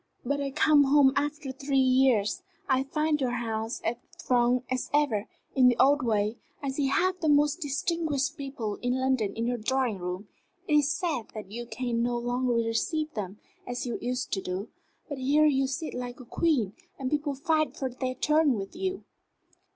"But I come home after three years. I find your house as thronged as ever, in the old way. I see half the most distinguished people in London in your drawing room. It is sad that you can no longer receive them as you used to do: but here you sit like a queen, and people fight for their turn with you."